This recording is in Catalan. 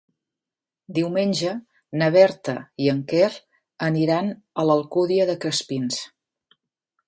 Diumenge na Berta i en Quer aniran a l'Alcúdia de Crespins.